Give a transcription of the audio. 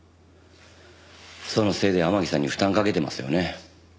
そのせいで天樹さんに負担かけてますよね。